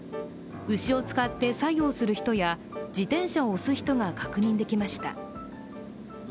牛を使って作業する人や自転車を押す人が確認できました。